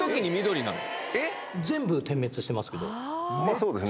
そうですね。